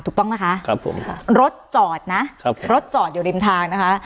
ถูกต้องนะคะครับผมค่ะรถจอดนะครับรถจอดอยู่ริมทางนะคะ